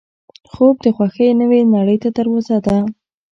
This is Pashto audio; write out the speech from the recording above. خوب د خوښۍ نوې نړۍ ته دروازه ده